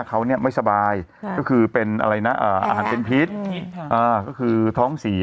เขาเนี่ยไม่สบายก็คือเป็นอะไรนะอาหารเป็นพิษก็คือท้องเสีย